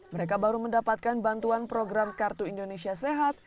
mereka baru mendapatkan bantuan program kartu indonesia sehat